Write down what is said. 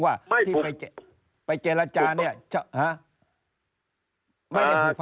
ก็อะไรครับ